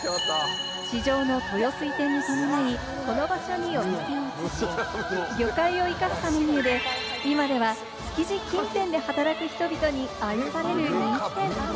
市場の豊洲移転に伴い、この場所にお店を移し、魚介を生かしたメニューで今では築地近辺で働く人々に愛される人気店。